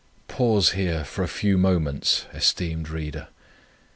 "Pause here for a few moments, esteemed Reader.